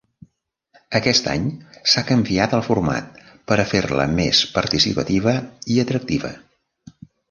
Aquest any s'ha canviat el format per a fer-la més participativa i atractiva.